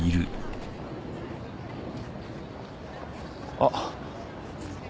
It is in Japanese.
あっ。